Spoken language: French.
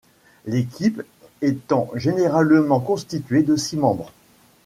L'équipe étant généralement constituée de six membres.